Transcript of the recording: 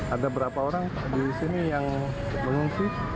ada berapa orang di sini yang mengungsi